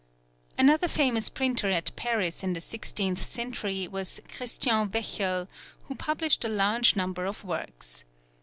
Another famous printer at Paris in the sixteenth century was Christian Wechel, who published a large number of works.